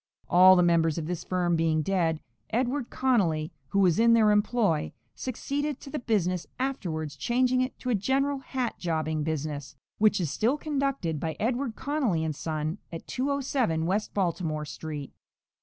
All the members of this firm being dead, Edward Connolly, who was in their employ, succeeded to the business, afterwards changing it to a general hat jobbing business, which is still conducted by Edward Connolly & Son at 207 W. Baltimore street.